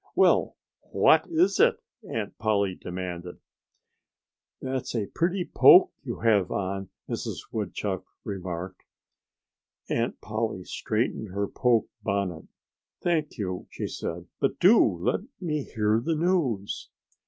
"Well, what is it?" Aunt Polly demanded. "That's a pretty poke that you have on," Mrs. Woodchuck remarked. Aunt Polly straightened her poke bonnet. "Thank you!" she said. "But do let me hear the news."